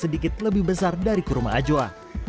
sedikit lebih besar dari kurma ajwa